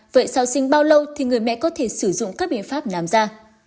vậy sau sinh bao lâu thì người mẹ có thể sử dụng các biện pháp nám da